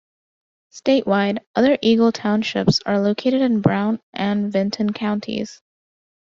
Statewide, other Eagle Townships are located in Brown and Vinton counties.